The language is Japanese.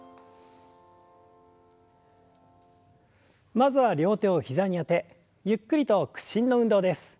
まずは両手を膝にあてゆっくりと屈伸の運動です。